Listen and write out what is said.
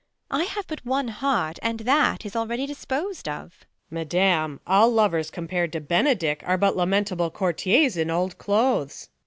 I have but one heart, And that is already disjDos'd of. Luc. Madam, all lovers compar'd to Benedick Are but lamentable courtiers in old clothes.